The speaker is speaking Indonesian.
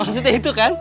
maksudnya itu kan